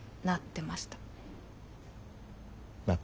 なってました？